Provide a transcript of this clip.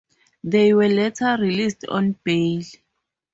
They were later released on bail.